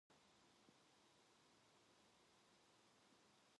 혼자말을 하면서 벽에 붙은 일력을 쳐다보았다.